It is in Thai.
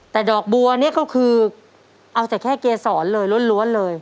แต่ดอกบัวนี่ก็คือเอาแต่แค่เกษรเลยล้วนเลย